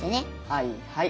はいはい。